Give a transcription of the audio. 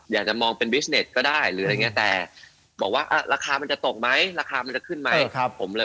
อยากจะมองเป็นบิสเนสก็ได้แต่บอกว่าราคามันจะตกไหมราคามันจะขึ้นไหม